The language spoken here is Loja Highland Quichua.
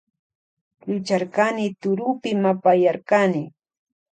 Llucharkani turupi mapayarkani.